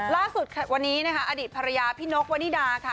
ล่าสุดค่ะวันนี้อดีตภรรยาพี่นกวันนี่ดาค่ะ